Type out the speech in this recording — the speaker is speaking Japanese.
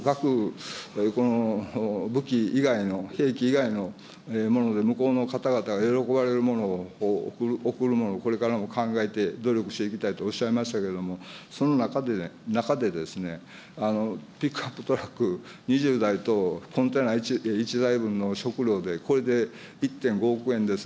だから、先ほど、額、武器以外の、兵器以外のもので、向こうの方々が喜ばれるものを送るのをこれからも考えて、努力していきたいとおっしゃいましたけれども、その中でですね、ピックアップトラック２０台とコンテナ１台分の食料で、これで１．５億円です。